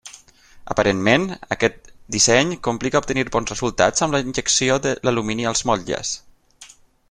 Aparentment, aquest disseny complica obtenir bons resultats amb la injecció de l'alumini als motlles.